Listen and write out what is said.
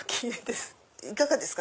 いかがですか？